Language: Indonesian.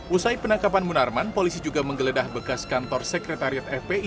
usai penangkapan munarman polisi juga menggeledah bekas kantor sekretariat fpi